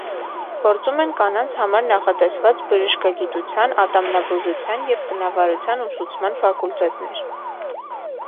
Գործում են կանանց համար նախատեսված բժշկագիտության, ատամնաբուժության և տնավարության ուսուցման ֆակուլտետներ։